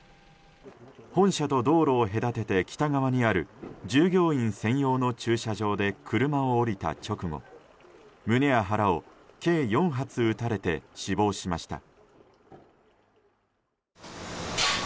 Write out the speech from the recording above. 本社と道路を隔てて北側にある従業員専用の駐車場で車を降りた直後、胸や腹を計４発撃たれて死亡しました。